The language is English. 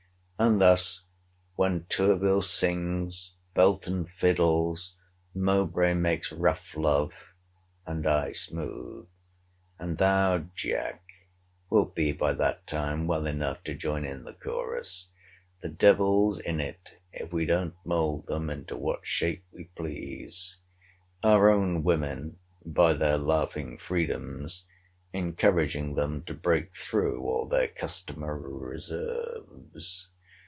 And thus, when Tourville sings, Belton fiddles, Mowbray makes rough love, and I smooth; and thou, Jack, wilt be by that time well enough to join in the chorus; the devil's in't if we don't mould them into what shape we please—our own women, by their laughing freedoms, encouraging them to break through all their customary reserves.